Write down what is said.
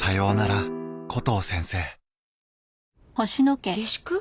下宿？